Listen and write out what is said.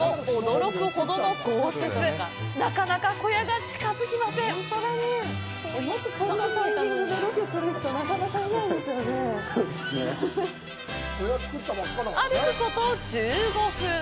歩くこと１５分。